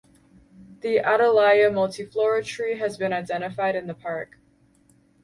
The "Atalaya multiflora" tree has been identified in the park.